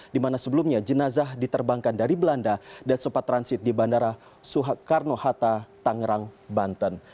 di mana sebelumnya jenazah diterbangkan dari belanda dan sempat transit di bandara soekarno hatta tangerang banten